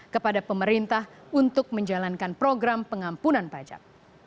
kepada pemerintah untuk menjalankan program pengampunan pajak